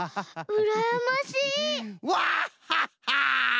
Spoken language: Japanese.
うらやましい？